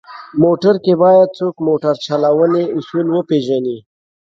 موټر کې باید څوک موټر چلونې اصول وپېژني.